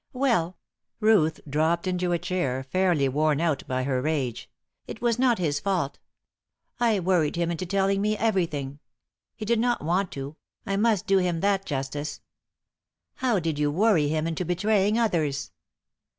"Well," Ruth dropped into a chair fairly worn cut by her rage "it was not his fault. I worried him into telling me everything. He did not want to I must do him that justice." "How did you worry him into betraying others?"